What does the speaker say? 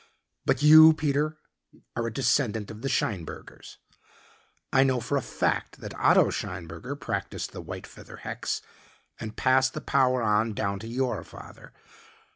But you, Peter, are a descendant of the Scheinbergers. I know for a fact that Otto Scheinberger practiced the white feather hex and passed the power on down to your father.